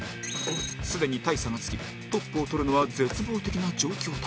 すでに大差がつきトップをとるのは絶望的な状況だが